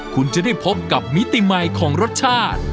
คุณจะได้พบกับมิติใหม่ของรสชาติ